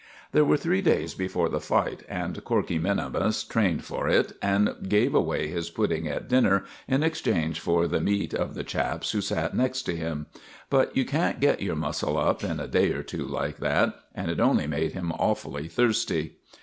There were three days before the fight, and Corkey minimus trained for it, and gave away his pudding at dinner in exchange for the meat of the chaps who sat next to him. But you can't get your muscle up in a day or two like that, and it only made him awfully thirsty.